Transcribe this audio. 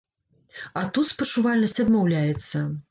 А тут спачувальнасць адмаўляецца.